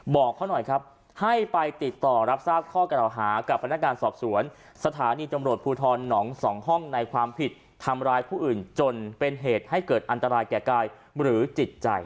บอกเขาหน่อยครับให้ไปติดต่อรับทราบข้อกระดาวหากับพนักงานสอบสวนสถานีตำรวจภูทรหนองสองห้องในความผิดทำร้ายผู้อื่นจนเป็นเหตุให้เกิดอันตรายแก่กายหรือจิตใจ